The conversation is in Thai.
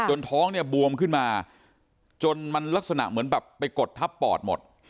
ท้องเนี่ยบวมขึ้นมาจนมันลักษณะเหมือนแบบไปกดทับปอดหมด